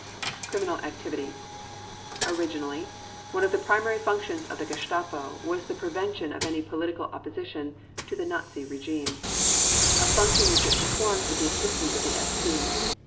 Criminal Activity: Originally, one of the primary functions of the Gestapo was the prevention of any political opposition to the Nazi regime, a function which it performed with the assistance of the SD.